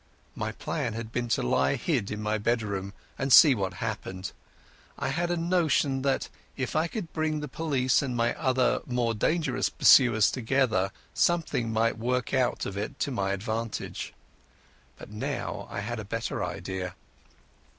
My plan had been to lie hid in my bedroom, and see what happened. I had a notion that, if I could bring the police and my other more dangerous pursuers together, something might work out of it to my advantage. But now I had a better idea.